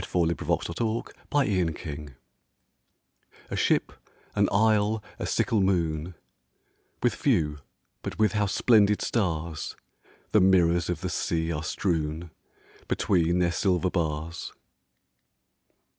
174 A Ship^ an Isle^ a Sickle Moon A ship, an isle, a sickle moon — With few but with how splendid stars The mirrors of the sea are strewn Between their silver bars